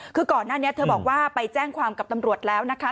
คือก่อนหน้านี้เธอบอกว่าไปแจ้งความกับตำรวจแล้วนะคะ